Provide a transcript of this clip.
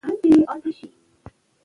د طبیعت ښکلا د زړه سکون لامل ګرځي.